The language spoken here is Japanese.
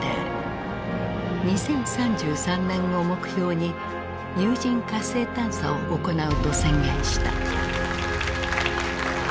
２０３３年を目標に有人火星探査を行うと宣言した。